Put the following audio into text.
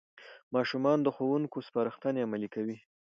ماشومان د ښوونکو سپارښتنې عملي کوي